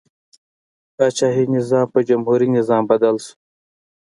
پاچاهي نظام په جمهوري نظام بدل شو.